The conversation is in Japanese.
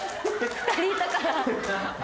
２人いたから。